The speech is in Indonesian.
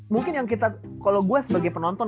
mungkin yang kita kalau gue sebagai penonton